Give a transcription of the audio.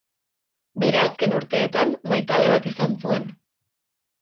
Bere azken urteetan, maitale bat izan zuen.